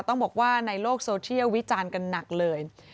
ต้องบอกว่าในโลกโซเทียลวิจารณ์กันหนักเลย